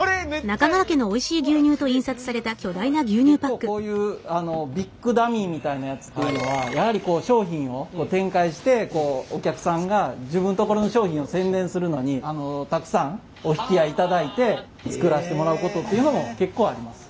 結構こういうビッグダミーみたいなやつっていうのはやはり商品を展開してお客さんが自分のところの商品を宣伝するのにたくさんお引き合いいただいて作らせてもらうことっていうのも結構あります。